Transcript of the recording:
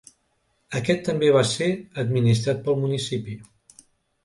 Aquest també va ser administrat pel municipi.